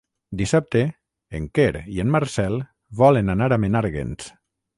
Dissabte en Quer i en Marcel volen anar a Menàrguens.